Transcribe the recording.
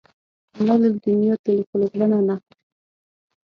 مړه له دنیا تللې، خو له زړه نه نه